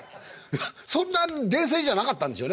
そんな冷静じゃなかったんでしょうね。